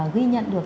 ghi nhận được